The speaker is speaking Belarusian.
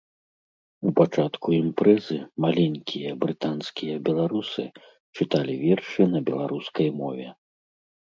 У пачатку імпрэзы маленькія брытанскія беларусы чыталі вершы на беларускай мове.